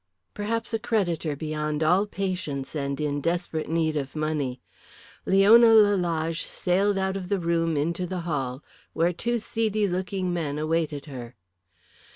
Perhaps a creditor beyond all patience and in desperate need of money. Leona Lalage sailed out of the room into the hall, where two seedy looking men awaited her.